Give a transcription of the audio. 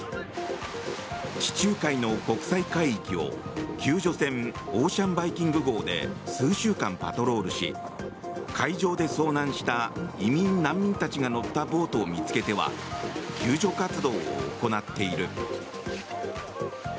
地中海の国際海域を救助船「オーシャン・バイキング号」で数週間パトロールし海上で遭難した移民・難民たちが乗ったボートを見つけては救助活動を行っている。